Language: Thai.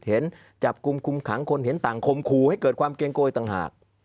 เห็นจับกลุ่มคุมขังคนเห็นต่างคมคู่ให้เกิดความเกรงโกยต่างหาก